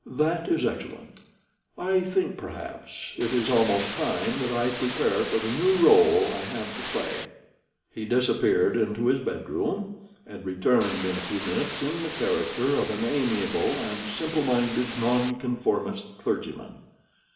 "That is excellent. I think, perhaps, it is almost time that I prepared for the new role I have to play." He disappeared into his bedroom, and returned in a few minutes in the character of an amiable and simple minded Nonconformist clergyman.